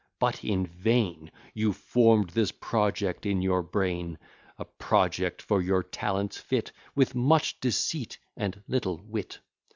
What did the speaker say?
but in vain You form'd this project in your brain; A project for your talents fit, With much deceit and little wit.